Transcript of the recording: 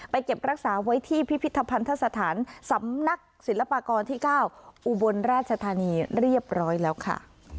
เก็บรักษาไว้ที่พิพิธภัณฑสถานสำนักศิลปากรที่๙อุบลราชธานีเรียบร้อยแล้วค่ะ